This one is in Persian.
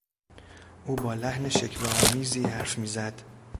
او با لحن شکوهآمیزی حرف میزد.